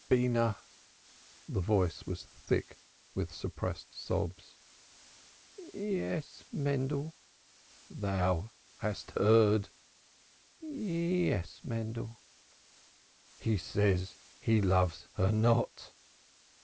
"Beenah." The voice was thick with suppressed sobs. "Yes, Mendel." "Thou hast heard?" "Yes, Mendel." "He says he loves her not."